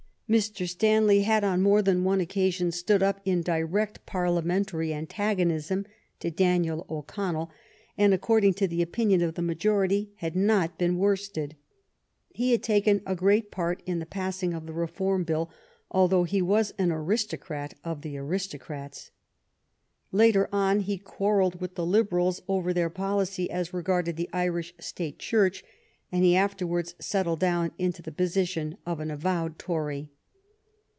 Mr. Stanley had on more than one occasion stood up in direct Parliamentary antagonism to Daniel O'Connell, and, according to the opinion of the majority, had not been worsted. He had taken a great part in the passing of the Reform Bill, although he was an aristocrat of the aristocrats. Later on he quar relled with the Liberals over their policy as regarded the Irish State Church, and he afterwards settled down into the position of an avowed Tory.